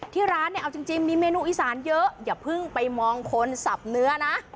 ที่ร้านเนี่ยเอาจริงมีเมนูอีสานเยอะอย่าเพิ่งไปมองคนสับเนื้อนะ